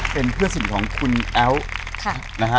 เป็นเพื่อนสนิทของคุณแอ๋วนะฮะ